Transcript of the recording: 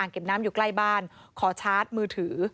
เก็บน้ำอยู่ใกล้บ้านขอชาร์จมือถือ